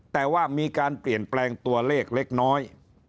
แต่ว่ามีการเปลี่ยนแปลงตัวเลขเล็กน้อย